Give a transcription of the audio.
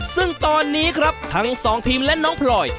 ซึ่งตอนนี้ครับทั้งสองทีมและน้องพลอย